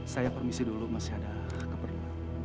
saya permisi dulu masih ada keperluan